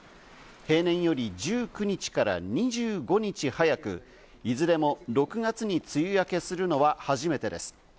平年より１９日から２５日早くいずれも６月に梅雨明けするのは初めてです。